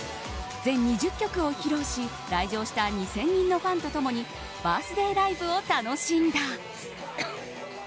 全２０曲を披露し来場した２０００人のファンと共にバースデーライブを楽しんだ。